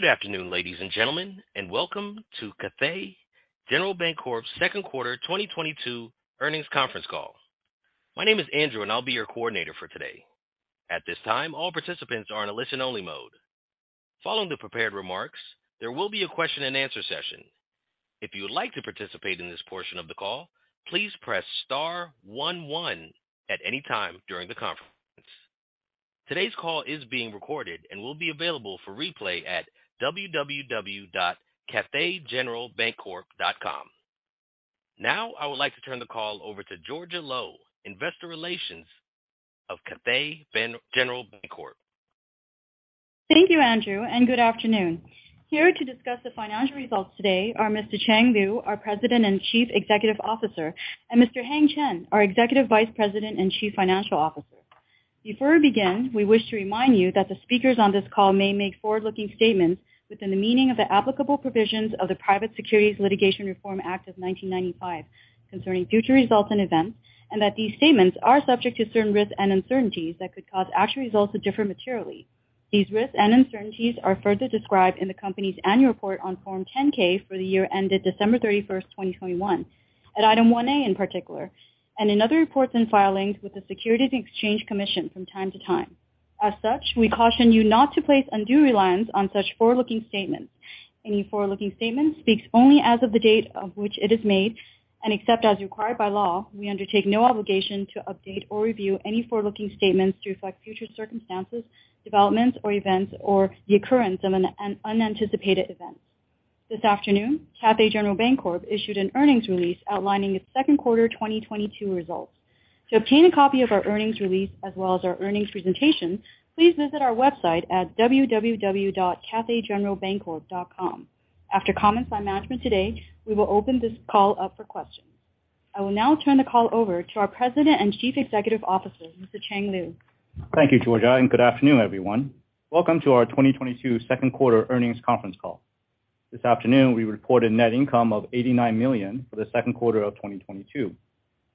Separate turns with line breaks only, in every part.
Good afternoon, ladies and gentlemen, and welcome to Cathay General Bancorp's second quarter 2022 earnings conference call. My name is Andrew, and I'll be your coordinator for today. At this time, all participants are in a listen only mode. Following the prepared remarks, there will be a question and answer session. If you would like to participate in this portion of the call, please press star one one at any time during the conference. Today's call is being recorded and will be available for replay at www.cathaygeneralbancorp.com. Now I would like to turn the call over to Georgia Lo, Investor Relations of Cathay General Bancorp.
Thank you, Andrew, and good afternoon. Here to discuss the financial results today are Mr. Chang Liu, our President and Chief Executive Officer, and Mr. Heng Chen, our Executive Vice President and Chief Financial Officer. Before we begin, we wish to remind you that the speakers on this call may make forward-looking statements within the meaning of the applicable provisions of the Private Securities Litigation Reform Act of 1995 concerning future results and events, and that these statements are subject to certain risks and uncertainties that could cause actual results to differ materially. These risks and uncertainties are further described in the company's annual report on Form 10-K for the year ended December 31, 2021, at Item 1A in particular, and in other reports and filings with the Securities and Exchange Commission from time to time. As such, we caution you not to place undue reliance on such forward-looking statements. Any forward-looking statement speaks only as of the date of which it is made, and except as required by law, we undertake no obligation to update or review any forward-looking statements to reflect future circumstances, developments or events or the occurrence of an unanticipated event. This afternoon, Cathay General Bancorp issued an earnings release outlining its second quarter 2022 results. To obtain a copy of our earnings release as well as our earnings presentation, please visit our website at www.cathaygeneralbancorp.com. After comments by management today, we will open this call up for questions. I will now turn the call over to our President and Chief Executive Officer, Mr. Chang Liu.
Thank you, Georgia, and good afternoon, everyone. Welcome to our 2022 second quarter earnings conference call. This afternoon we reported net income of $89 million for the second quarter of 2022,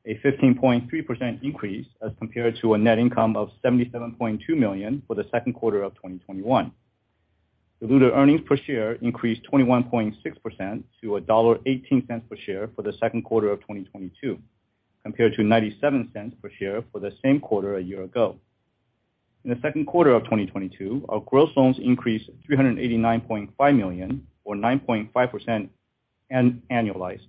a 15.3% increase as compared to a net income of $77.2 million for the second quarter of 2021. Diluted earnings per share increased 21.6% to $1.18 per share for the second quarter of 2022, compared to $0.97 per share for the same quarter a year ago. In the second quarter of 2022, our gross loans increased $389.5 million, or 9.5% annualized.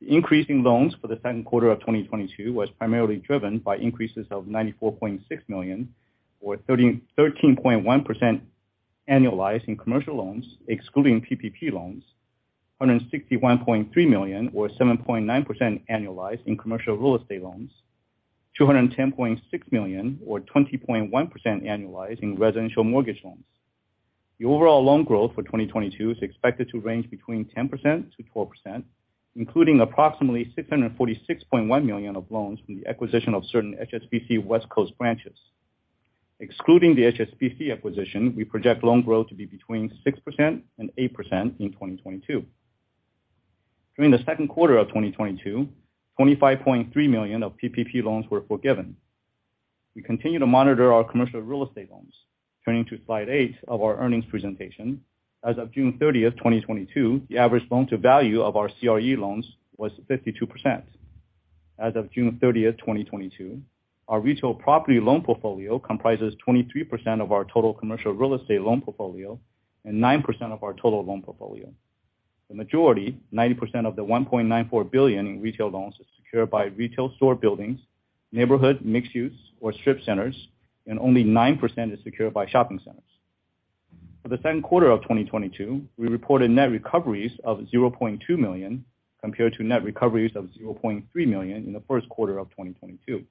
The increase in loans for the second quarter of 2022 was primarily driven by increases of $94.6 million, or 13.1% annualized in commercial loans excluding PPP loans, $161.3 million or 7.9% annualized in commercial real estate loans, $210.6 million or 20.1% annualized in residential mortgage loans. The overall loan growth for 2022 is expected to range between 10%-12%, including approximately $646.1 million of loans from the acquisition of certain HSBC West Coast branches. Excluding the HSBC acquisition, we project loan growth to be between 6% and 8% in 2022. During the second quarter of 2022, $25.3 million of PPP loans were forgiven. We continue to monitor our commercial real estate loans. Turning to slide 8 of our earnings presentation, as of June 30, 2022, the average loan-to-value of our CRE loans was 52%. As of June 30, 2022, our retail property loan portfolio comprises 23% of our total commercial real estate loan portfolio and 9% of our total loan portfolio. The majority, 90% of the $1.94 billion in retail loans, is secured by retail store buildings, neighborhood mixed-use or strip centers, and only 9% is secured by shopping centers. For the second quarter of 2022, we reported net recoveries of $0.2 million, compared to net recoveries of $0.3 million in the first quarter of 2022.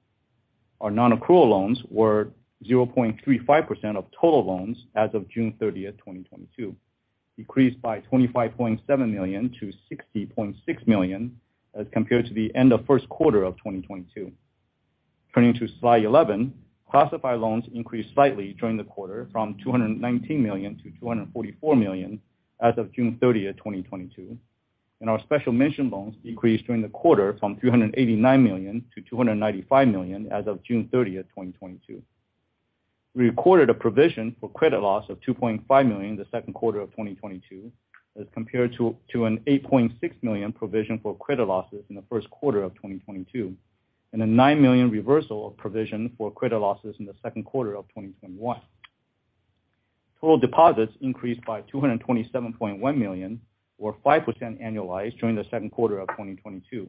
Our non-accrual loans were 0.35% of total loans as of June 30, 2022, decreased by $25.7 million to $60.6 million as compared to the end of first quarter of 2022. Turning to slide 11, classified loans increased slightly during the quarter from $219 million to $244 million as of June 30, 2022. Our special mention loans increased during the quarter from $389 million to $295 million as of June 30, 2022. We recorded a provision for credit loss of $2.5 million in the second quarter of 2022 as compared to an $8.6 million provision for credit losses in the first quarter of 2022, and a $9 million reversal of provision for credit losses in the second quarter of 2021. Total deposits increased by $227.1 million, or 5% annualized during the second quarter of 2022.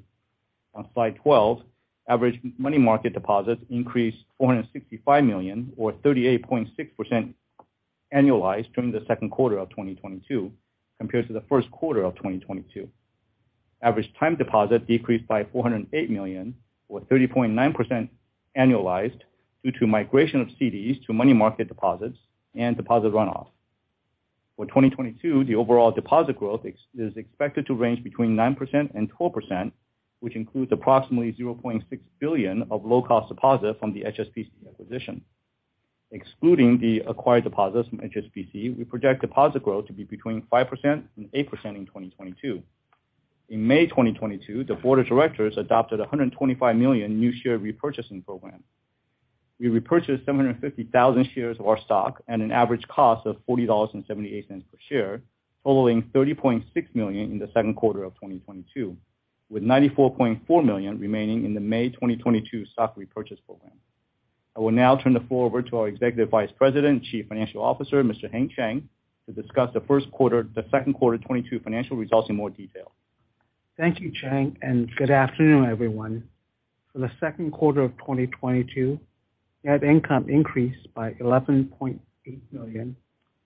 On slide twelve, average money market deposits increased $465 million or 38.6% annualized during the second quarter of 2022 compared to the first quarter of 2022. Average time deposits decreased by $408 million, or 30.9% annualized due to migration of CDs to money market deposits and deposit runoff. For 2022, the overall deposit growth ex-is expected to range between 9% and 12%, which includes approximately $0.6 billion of low cost deposits from the HSBC acquisition. Excluding the acquired deposits from HSBC, we project deposit growth to be between 5% and 8% in 2022. In May 2022, the board of directors adopted a $125 million new share repurchasing program. We repurchased 750,000 shares of our stock at an average cost of $40.78 per share, following $30.6 million in the second quarter of 2022, with $94.4 million remaining in the May 2022 stock repurchase program. I will now turn the floor over to our Executive Vice President and Chief Financial Officer, Mr. Heng Chen, to discuss the second quarter 2022 financial results in more detail.
Thank you, Chang, and good afternoon, everyone. For the second quarter of 2022, net income increased by $11.8 million,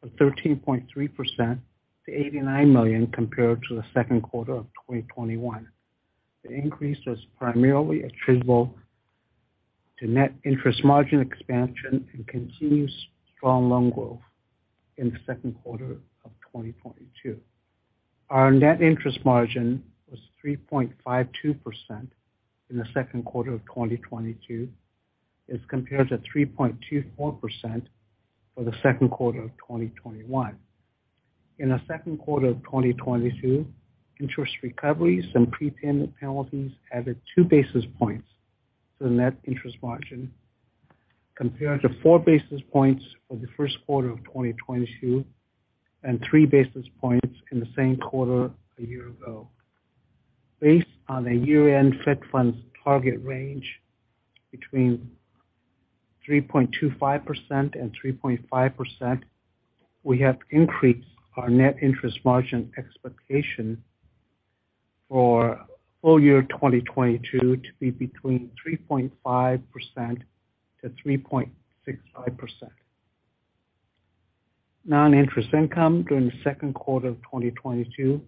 or 13.3% to $89 million compared to the second quarter of 2021. The increase was primarily attributable to net interest margin expansion and continued strong loan growth in the second quarter of 2022. Our net interest margin was 3.52% in the second quarter of 2022, as compared to 3.24% for the second quarter of 2021. In the second quarter of 2022, interest recoveries and prepay penalties added 2 basis points to the net interest margin, compared to 4 basis points for the first quarter of 2022 and 3 basis points in the same quarter a year ago. Based on a year-end Fed funds target range between 3.25% and 3.5%, we have increased our net interest margin expectation for full year 2022 to be between 3.5%-3.65%. Non-interest income during the second quarter of 2022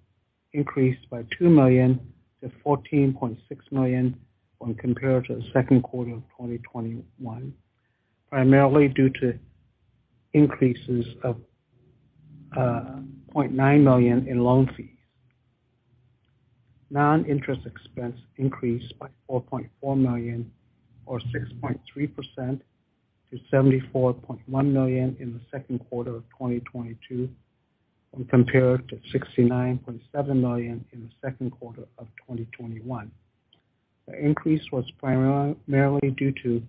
increased by $2 million to $14.6 million when compared to the second quarter of 2021, primarily due to increases of $0.9 million in loan fees. Non-interest expense increased by $4.4 million or 6.3% to $74.1 million in the second quarter of 2022 when compared to $69.7 million in the second quarter of 2021. The increase was primarily due to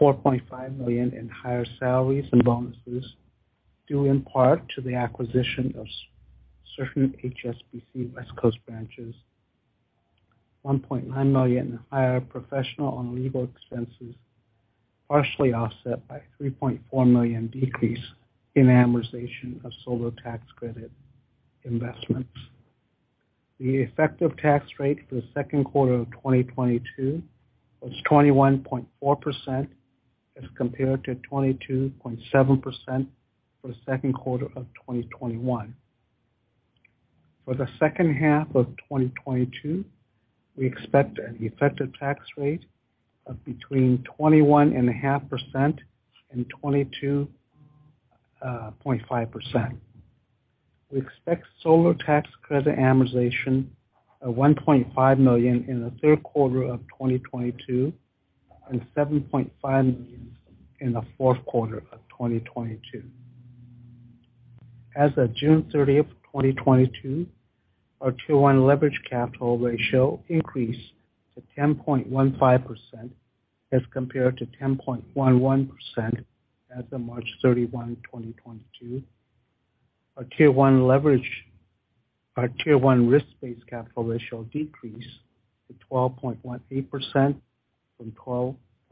$4.5 million in higher salaries and bonuses, due in part to the acquisition of certain HSBC West Coast branches, $1.9 million in higher professional and legal expenses, partially offset by $3.4 million decrease in amortization of solar tax credit investments. The effective tax rate for the second quarter of 2022 was 21.4% as compared to 22.7% for the second quarter of 2021. For the second half of 2022, we expect an effective tax rate of between 21.5% and 22.5%. We expect solar tax credit amortization of $1.5 million in the third quarter of 2022 and $7.5 million in the fourth quarter of 2022. As of June 30, 2022, our Tier 1 leverage capital ratio increased to 10.15% as compared to 10.11% as of March 31, 2022. Our Tier 1 risk-based capital ratio decreased to 12.18% from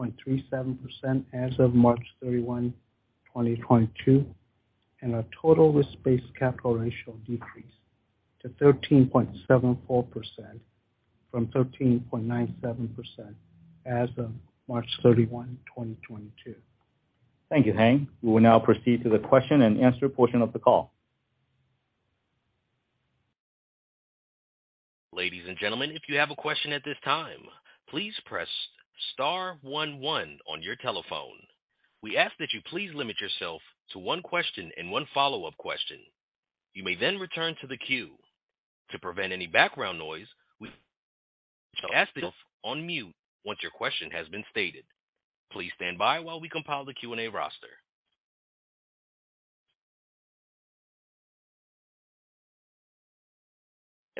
12.37% as of March 31, 2022, and our Total risk-based capital ratio decreased to 13.74% from 13.97% as of March 31, 2022.
Thank you, Heng. We will now proceed to the question and answer portion of the call.
Ladies and gentlemen, if you have a question at this time, please press star one one on your telephone. We ask that you please limit yourself to one question and one follow-up question. You may then return to the queue. To prevent any background noise, we ask that you remain on mute once your question has been stated. Please stand by while we compile the Q&A roster.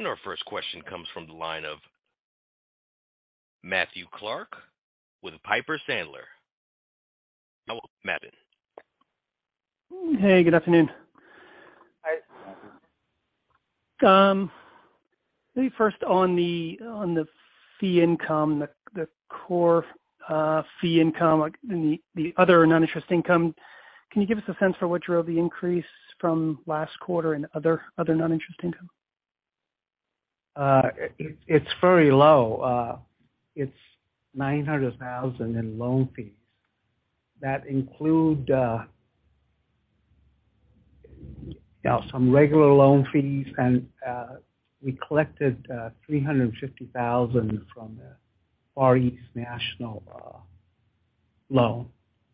Our first question comes from the line of Matthew Clark with Piper Sandler. I will now let Matt in.
Hey, good afternoon.
Hi, Matthew.
Maybe first on the fee income, the core fee income, like, and the other non-interest income, can you give us a sense for what drove the increase from last quarter and other non-interest income?
It's very low. It's $900,000 in loan fees. That include, you know, some regular loan fees and, we collected, $350,000 from the Far East National Bank loan,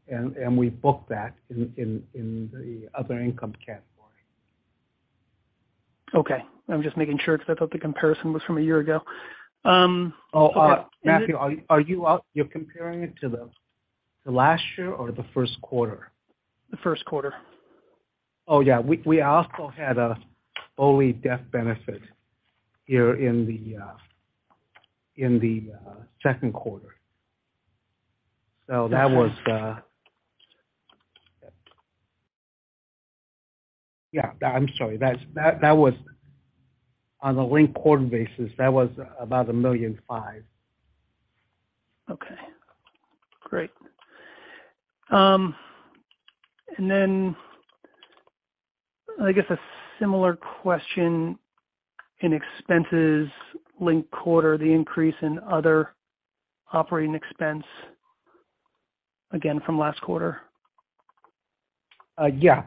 and we booked that in the other income category.
Okay. I'm just making sure 'cause I thought the comparison was from a year ago. Okay.
Matthew, you're comparing it to the last year or the first quarter?
The first quarter.
Oh, yeah. We also had a BOLI death benefit here in the second quarter. Yeah, I'm sorry. That was on a linked quarter basis. That was about $1.5 million.
Okay, great. I guess a similar question in expenses linked quarter, the increase in other operating expense again from last quarter.
Yeah.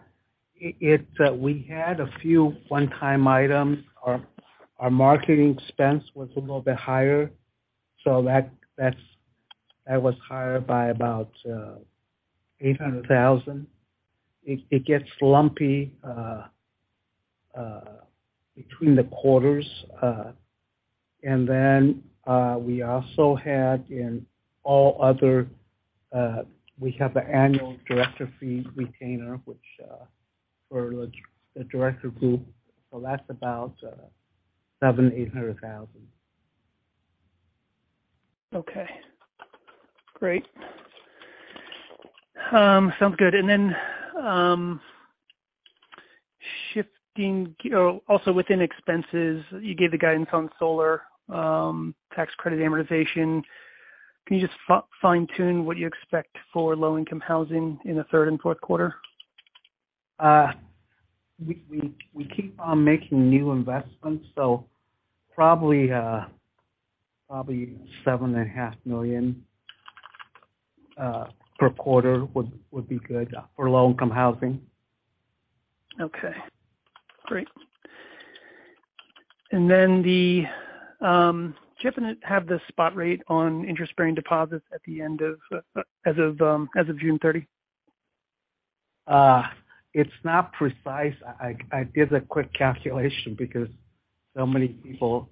We had a few one-time items. Our marketing expense was a little bit higher, so that was higher by about $800,000. It gets lumpy between the quarters. We also had in all other, we have an annual director fee retainer, which for the director group. That's about $700,000-$800,000.
Okay, great. Sounds good. Oh, also within expenses, you gave the guidance on solar tax credit amortization. Can you just fine-tune what you expect for low-income housing in the third and fourth quarter?
We keep on making new investments, so probably $7.5 million per quarter would be good for low-income housing.
Okay, great. Do you happen to have the spot rate on interest-bearing deposits at the end of, as of June 30?
It's not precise. I did a quick calculation because so many people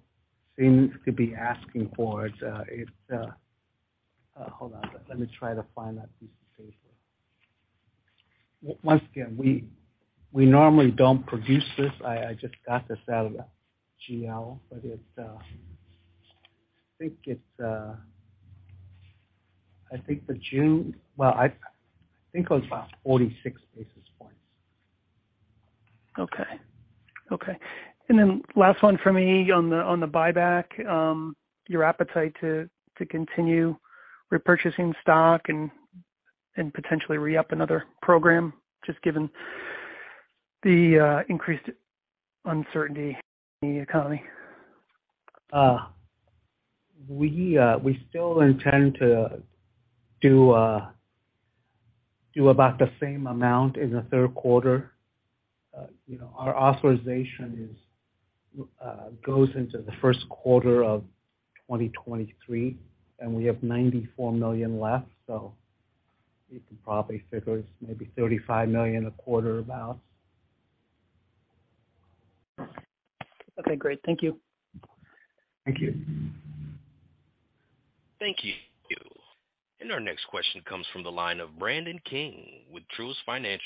seem to be asking for it. Hold on. Let me try to find that piece of paper. Once again, we normally don't produce this. I just got this out of the GL, but it's, well, I think it was about 46 basis points.
Okay. Last one for me on the buyback, your appetite to continue repurchasing stock and potentially re-up another program, just given the increased uncertainty in the economy?
We still intend to do about the same amount in the third quarter. You know, our authorization goes into the first quarter of 2023, and we have $94 million left, so you can probably figure it's maybe $35 million a quarter about.
Okay, great. Thank you.
Thank you.
Thank you. Our next question comes from the line of Brandon King with Truist Securities.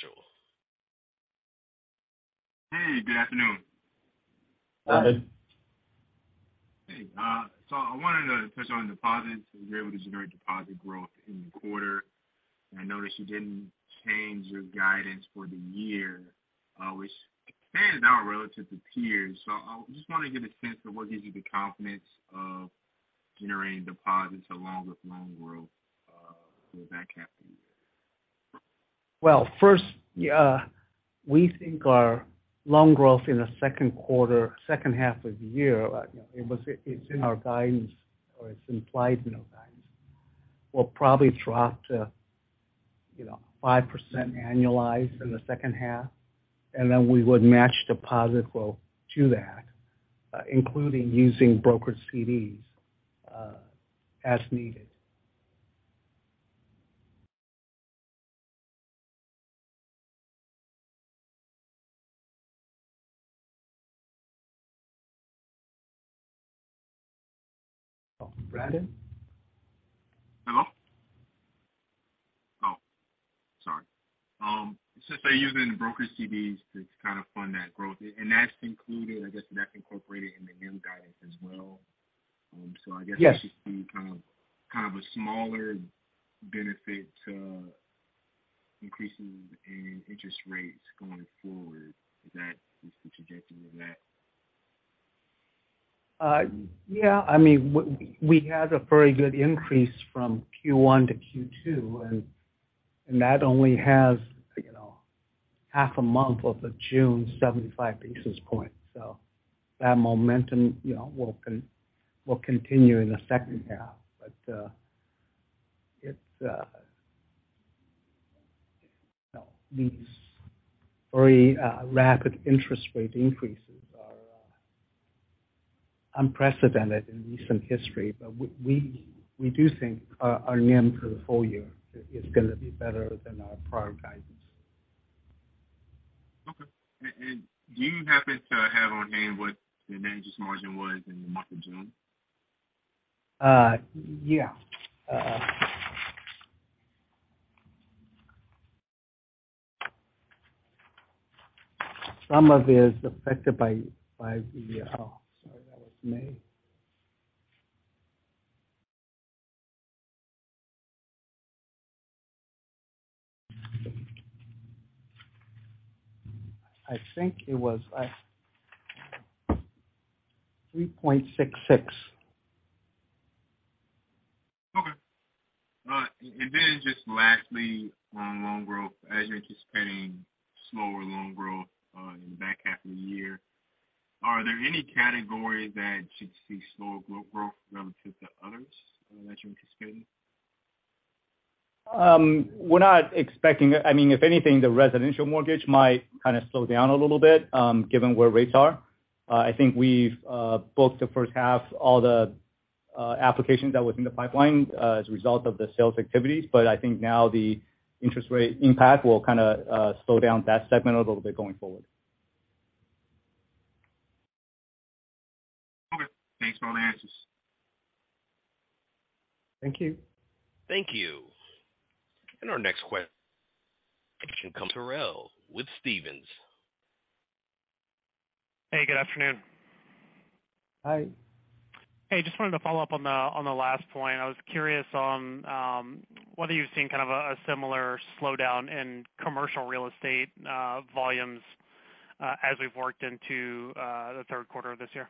Hey, good afternoon.
Hi.
Hey. I wanted to touch on deposits. You were able to generate deposit growth in the quarter, and I noticed you didn't change your guidance for the year, which expanded out relative to peers. I just wanted to get a sense of what gives you the confidence of generating deposits along with loan growth, with that happening.
Well, first, we think our loan growth in the second quarter, second half of the year, you know, it's in our guidance or it's implied in our guidance, will probably drop to, you know, 5% annualized in the second half. Then we would match deposit growth to that, including using brokered CDs, as needed. Brandon?
Hello? Oh, sorry. Since they're using the brokered CDs to kind of fund that growth, and that's included, I guess that's incorporated in the NIM guidance as well. I guess
Yes.
I should see kind of a smaller benefit to increases in interest rates going forward. Is that the trajectory of that?
Yeah. I mean, we had a very good increase from Q1 to Q2, and that only has, you know, half a month of the June 75 basis points. That momentum, you know, will continue in the second half. It's you know, these very rapid interest rate increases are unprecedented in recent history. We do think our NIM for the full year is gonna be better than our prior guidance.
Okay. Do you happen to have on hand what the net interest margin was in the month of June?
Yeah. Some of it is affected by the. Sorry, that was me. I think it was 3.66.
Just lastly on loan growth, as you're anticipating slower loan growth in the back half of the year, are there any categories that should see slower growth relative to others that you're anticipating?
I mean, if anything, the residential mortgage might kind of slow down a little bit, given where rates are. I think we've booked the first half all the applications that were in the pipeline, as a result of the sales activities. I think now the interest rate impact will kinda slow down that segment a little bit going forward.
Okay. Thanks for all the answers.
Thank you.
Thank you. Our next question comes from Terrell with Stephens.
Hey, good afternoon.
Hi.
Hey, just wanted to follow up on the last point. I was curious on whether you've seen kind of a similar slowdown in commercial real estate volumes as we've worked into the third quarter of this year.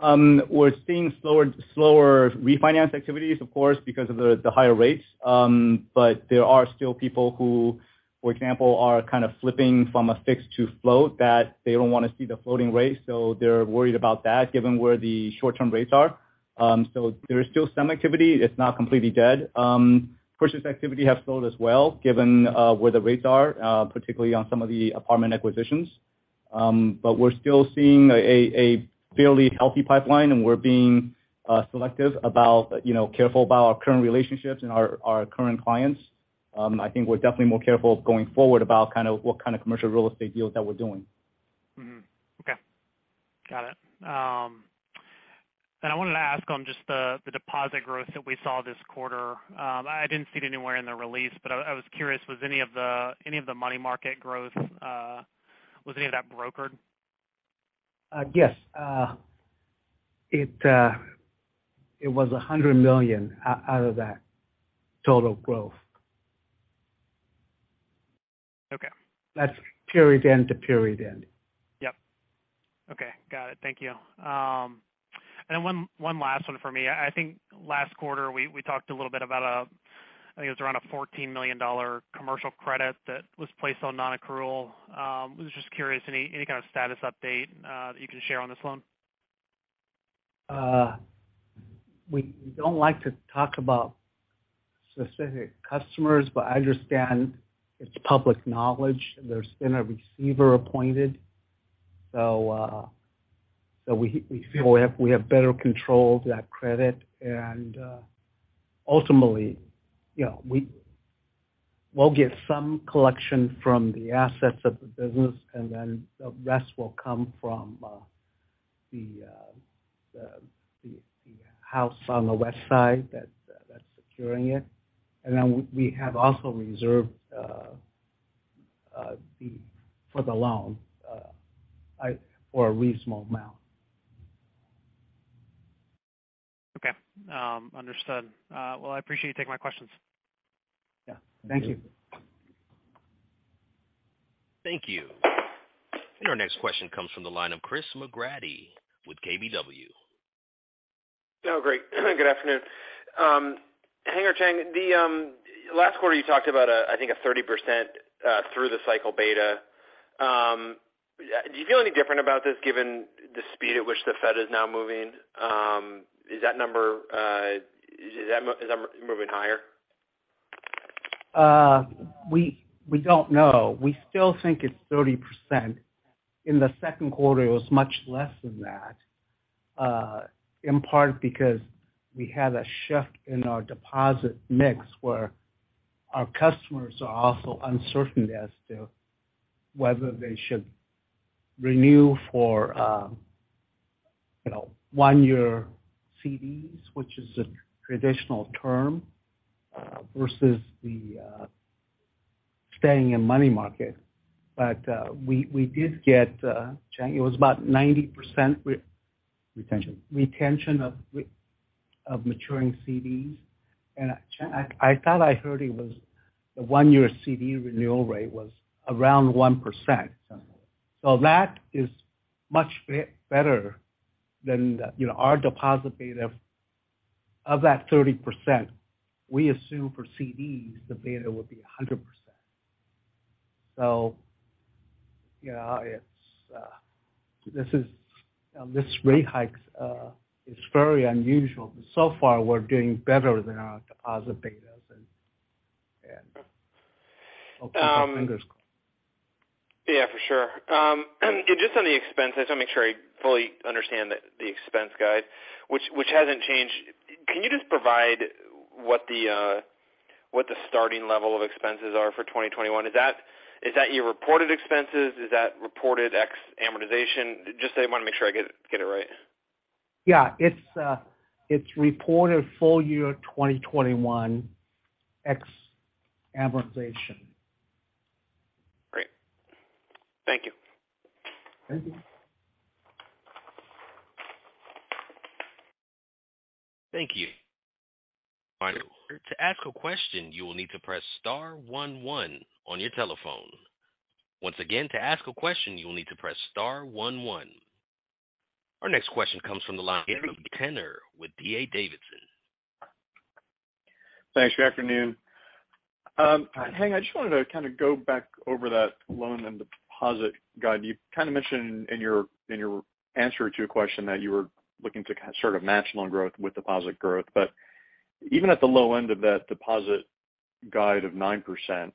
We're seeing slower refinance activities, of course, because of the higher rates. There are still people who, for example, are kind of flipping from a fixed to float that they don't wanna see the floating rates, so they're worried about that given where the short-term rates are. There is still some activity. It's not completely dead. Purchase activity has slowed as well, given where the rates are, particularly on some of the apartment acquisitions. We're still seeing a fairly healthy pipeline, and we're being selective about, you know, careful about our current relationships and our current clients. I think we're definitely more careful going forward about kind of what kind of commercial real estate deals that we're doing.
Okay. Got it. I wanted to ask on just the deposit growth that we saw this quarter. I didn't see it anywhere in the release, but I was curious, was any of the money market growth brokered?
Yes. It was $100 million out of that total growth.
Okay.
That's period end to period end.
Yep. Okay. Got it. Thank you. One last one for me. I think last quarter, we talked a little bit about a $14 million commercial credit that was placed on non-accrual. I was just curious, any kind of status update that you can share on this one?
We don't like to talk about specific customers, but I understand it's public knowledge. There's been a receiver appointed, so we feel we have better control of that credit. Ultimately, you know, we will get some collection from the assets of the business and then the rest will come from the house on the west side that's securing it. Then we have also reserved for the loan for a reasonable amount.
Okay. Understood. Well, I appreciate you taking my questions.
Yeah. Thank you.
Thank you. Our next question comes from the line of Christopher McGratty with KBW.
Oh, great. Good afternoon. Heng Chen, last quarter, you talked about a, I think, a 30% through the cycle beta. Do you feel any different about this given the speed at which the Fed is now moving? Is that number moving higher?
We don't know. We still think it's 30%. In the second quarter, it was much less than that, in part because we had a shift in our deposit mix, where our customers are also uncertain as to whether they should renew for, you know, one-year CDs, which is a traditional term, versus staying in money market. We did get, Chang Liu, it was about 90% re-
Retention.
Retention of maturing CDs. Chang, I thought I heard it was the one-year CD renewal rate was around 1% somewhere. That is much better than. You know, our deposit beta of that 30%, we assume for CDs, the beta would be 100%. You know, it's this rate hike is very unusual. We're doing better than our deposit betas.
Um-
We'll keep our fingers crossed.
Yeah, for sure. Just on the expense, I just wanna make sure I fully understand the expense guide, which hasn't changed. Can you just provide what the starting level of expenses are for 2021? Is that your reported expenses? Is that reported ex-amortization? Just so I wanna make sure I get it right.
Yeah. It's reported full year 2021 ex-amortization.
Great. Thank you.
Thank you.
Thank you. Final order. To ask a question, you will need to press star one one on your telephone. Once again, to ask a question, you will need to press star one one. Our next question comes from the line of Tanner with D.A. Davidson.
Thanks. Good afternoon. Heng, I just wanted to kinda go back over that loan and deposit guide. You kinda mentioned in your answer to a question that you were looking to sort of match loan growth with deposit growth. Even at the low end of that deposit guide of 9%,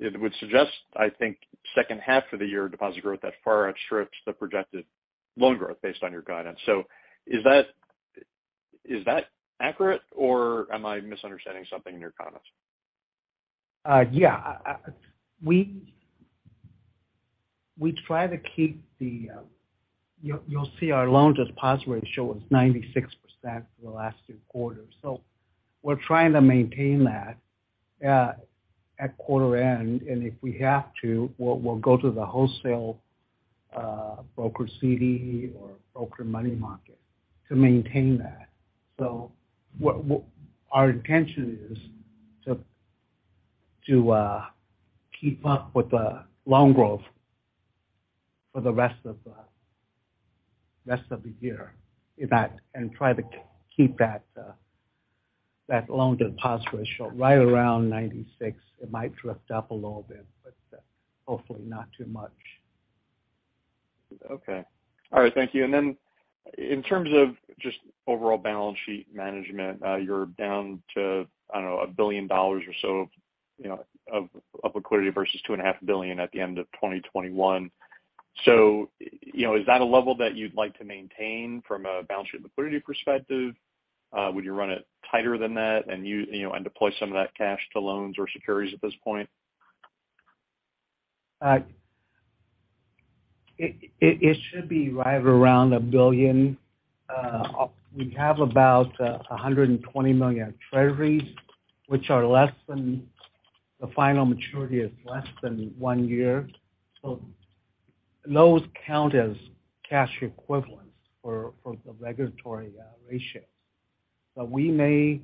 it would suggest, I think, second half of the year deposit growth that far outstrips the projected loan growth based on your guidance. Is that accurate or am I misunderstanding something in your comments?
Yeah. We try to keep the. You'll see our loan-to-deposit ratio was 96% for the last 2 quarters. We're trying to maintain that at quarter end. If we have to, we'll go to the wholesale brokered CD or brokered money market to maintain that. What our intention is to keep up with the loan growth for the rest of the year, in fact, and try to keep that loan-to-deposit ratio right around 96. It might drift up a little bit, but hopefully not too much.
Okay. All right, thank you. In terms of just overall balance sheet management, you're down to, I don't know, $1 billion or so, you know, of liquidity versus $2.5 billion at the end of 2021. You know, is that a level that you'd like to maintain from a balance sheet liquidity perspective? Would you run it tighter than that and you know, and deploy some of that cash to loans or securities at this point?
It should be right around $1 billion. We have about $120 million treasuries, which are less than the final maturity is less than one year. Those count as cash equivalents for the regulatory ratios. We may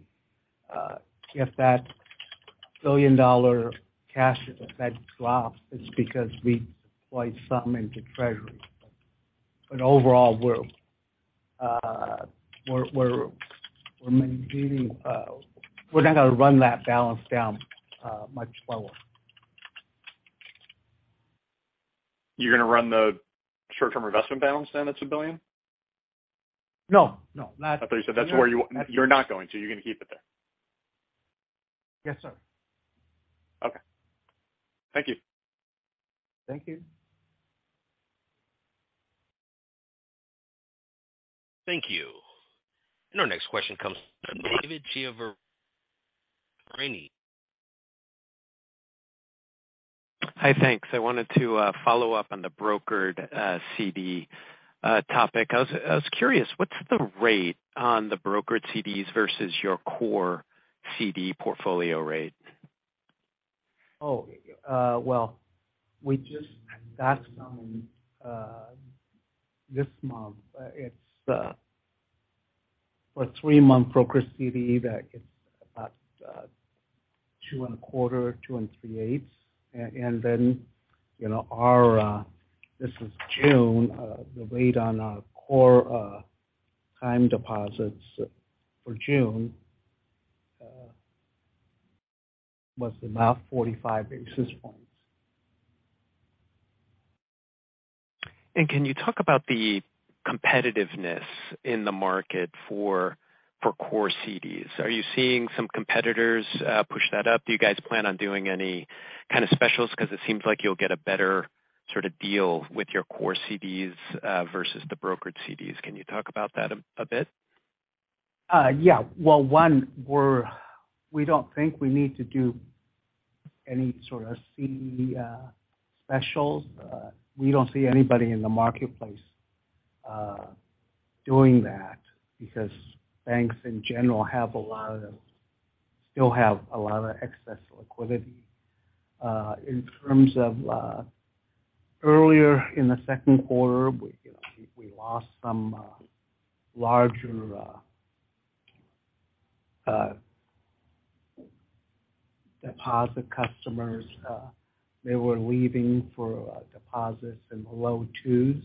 if that $1 billion cash that drops is because we deploy some into treasury. Overall, we're maintaining. We're not gonna run that balance down much lower.
You're gonna run the short-term investment balance then that's $1 billion?
No, no.
I thought you said that's where you
No.
You're not going to. You're gonna keep it there.
Yes, sir.
Okay. Thank you.
Thank you.
Thank you. Our next question comes from David Chiaverini.
Hi. Thanks. I wanted to follow up on the brokered CD topic. I was curious, what's the rate on the brokered CDs versus your core CD portfolio rate?
We just got some this month. It's for 3-month brokered CDs. That's about 2.25%-2.375%. You know, this is June, the rate on our core time deposits for June was about 45 basis points.
Can you talk about the competitiveness in the market for core CDs? Are you seeing some competitors push that up? Do you guys plan on doing any kind of specials? Because it seems like you'll get a better sorta deal with your core CDs versus the brokered CDs. Can you talk about that a bit?
Yeah. Well, one, we don't think we need to do any sorta CD specials. We don't see anybody in the marketplace doing that because banks in general still have a lot of excess liquidity. In terms of earlier in the second quarter, you know, we lost some larger deposit customers. They were leaving for deposits in the low twos.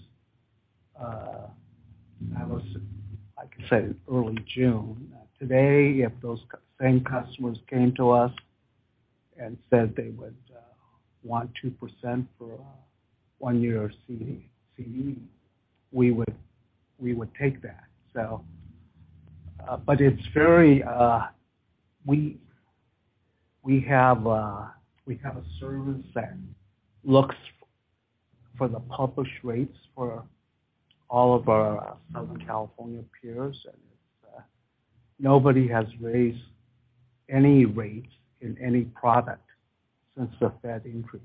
That was, I could say, early June. Today, if those same customers came to us and said they would want 2% for 1-year CD, we would take that. But it's very. We have a service that looks for the published rates for all of our Southern California peers, and it's nobody has raised any rates in any product since the Fed increase.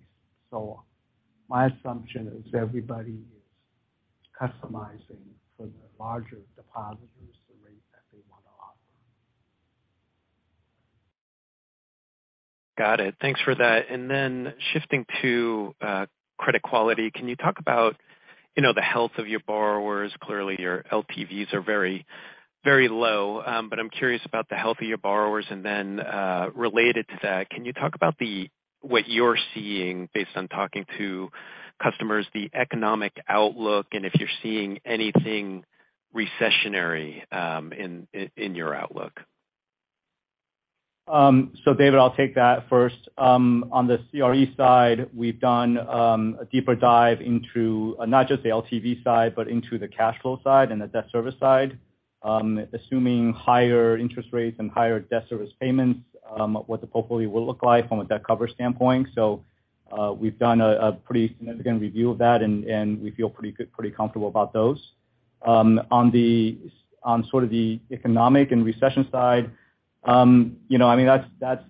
My assumption is everybody is customizing for the larger depositors the rate that they wanna offer.
Got it. Thanks for that. Shifting to credit quality. Can you talk about, you know, the health of your borrowers? Clearly, your LTVs are very, very low. I'm curious about the health of your borrowers. Related to that, can you talk about what you're seeing based on talking to customers, the economic outlook, and if you're seeing anything recessionary in your outlook?
David, I'll take that first. On the CRE side, we've done a deeper dive into not just the LTV side, but into the cash flow side and the debt service side, assuming higher interest rates and higher debt service payments, what the portfolio will look like from a debt coverage standpoint. We've done a pretty significant review of that and we feel pretty good, pretty comfortable about those. On sort of the economic and recession side, you know, I mean, that's that's,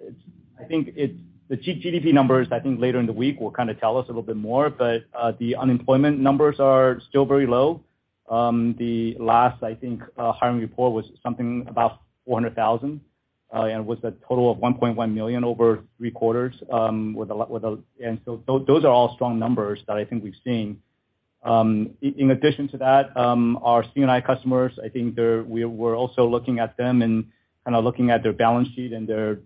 it's I think it's the GDP numbers I think later in the week will kinda tell us a little bit more, but the unemployment numbers are still very low. I think the last hiring report was something about 400,000 and was a total of 1.1 million over 3 quarters. Those are all strong numbers that I think we've seen. In addition to that, our C&I customers, I think we're also looking at them and kinda looking at their balance sheet and their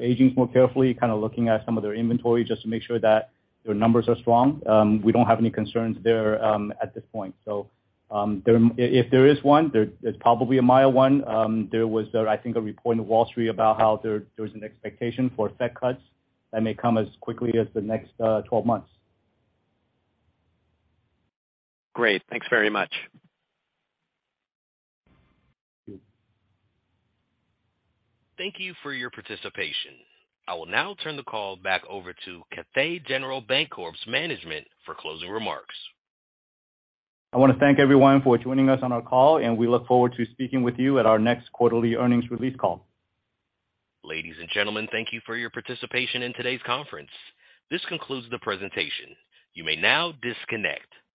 aging more carefully, kinda looking at some of their inventory just to make sure that their numbers are strong. We don't have any concerns there at this point. If there is one, it's probably a mild one. I think there was a report in the Wall Street Journal about how there was an expectation for Fed cuts that may come as quickly as the next 12 months.
Great. Thanks very much.
Thank you.
Thank you for your participation. I will now turn the call back over to Cathay General Bancorp's management for closing remarks.
I wanna thank everyone for joining us on our call, and we look forward to speaking with you at our next quarterly earnings release call.
Ladies and gentlemen, thank you for your participation in today's conference. This concludes the presentation. You may now disconnect. Good day.